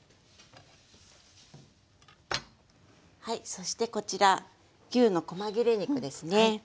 そしてこちら牛のこま切れ肉ですね。